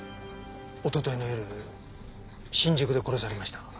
一昨日の夜新宿で殺されました。